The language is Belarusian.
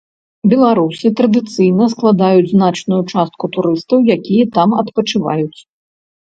Беларусы традыцыйна складаюць значную частку турыстаў, якія там адпачываюць.